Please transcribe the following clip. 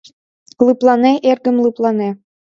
Лыплане, эргым, лыплане.